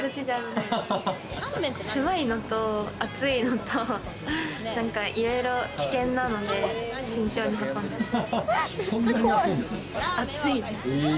狭いのと熱いのと、いろいろと危険なので慎重に運んでます。